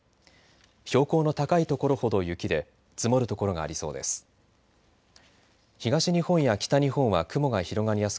標高の高い所ほど雪で積もる所がありそうです。